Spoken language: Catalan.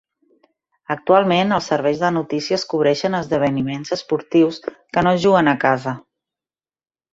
Actualment, els serveis de notícies cobreixen esdeveniments esportius que no es juguen a casa.